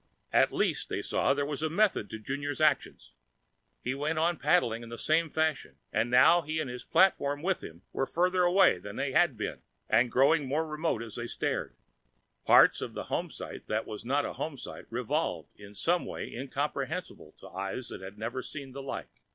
At least, they saw, there was method in Junior's actions. He went on paddling in the same fashion and now he, and his platform with him, were farther away than they had been, and growing more remote as they stared. Parts of the homesite that was not a homesite revolved in some way incomprehensible to eyes that had never seen the like.